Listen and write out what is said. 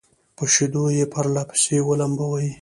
په شيدو يې پرله پسې ولمبوي